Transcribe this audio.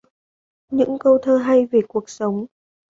Những câu thơ hay về cuộc sống